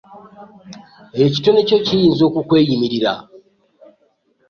Ekitone kyo kiyinza okukweyimirira.